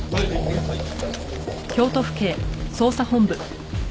はい！